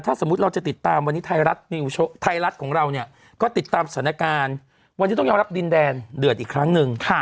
ถ้าสมมุติเราจะติดตามวันนี้ไทยรัฐไทยรัฐของเราเนี่ยก็ติดตามสถานการณ์วันนี้ต้องยอมรับดินแดนเดือดอีกครั้งหนึ่ง